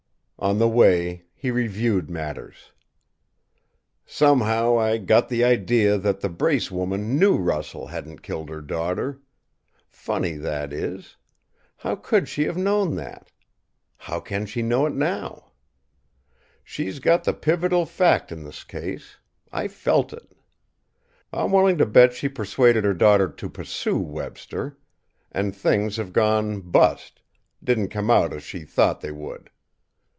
On the way he reviewed matters: "Somehow, I got the idea that the Brace woman knew Russell hadn't killed her daughter. Funny, that is. How could she have known that? How can she know it now? "She's got the pivotal fact in this case. I felt it. I'm willing to bet she persuaded her daughter to pursue Webster. And things have gone 'bust' didn't come out as she thought they would.